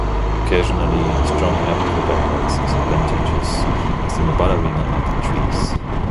Occasionally, strong apical dominance is advantageous, as in the "Ballerina" apple trees.